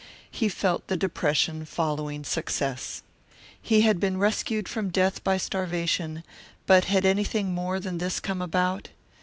He felt the depression following success. He had been rescued from death by starvation, but had anything more than this come about?